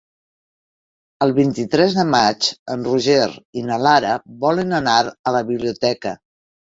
El vint-i-tres de maig en Roger i na Lara volen anar a la biblioteca.